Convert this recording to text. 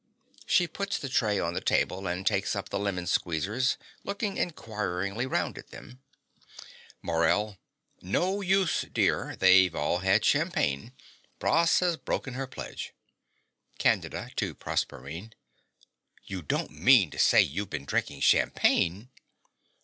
(She puts the tray on the table, and takes up the lemon squeezers, looking enquiringly round at them.) MORELL. No use, dear. They've all had champagne. Pross has broken her pledge. CANDIDA (to Proserpine). You don't mean to say you've been drinking champagne!